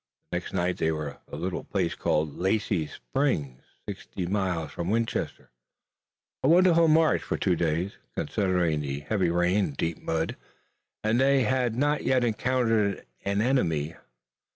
The next night they were at a little place called Lacy's Springs, sixty miles from Winchester, a wonderful march for two days, considering the heavy rains and deep mud, and they had not yet encountered an enemy.